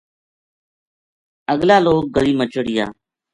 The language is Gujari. اگلا لوک گلی ما چڑھیا